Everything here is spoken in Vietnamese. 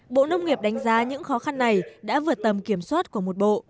bộ nông nghiệp đánh giá những khó khăn này đã vượt tầm kiểm soát của một bộ